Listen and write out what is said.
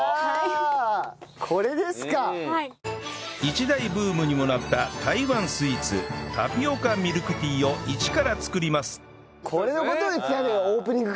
一大ブームにもなった台湾スイーツタピオカミルクティーを一から作ります